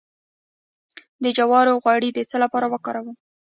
د جوارو غوړي د څه لپاره وکاروم؟